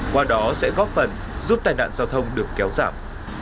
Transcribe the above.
qua đó sẽ góp phần giúp tai nạn giao thông được kéo giảm